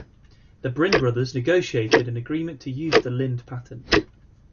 The Brin brothers negotiated an agreement to use the Linde patents.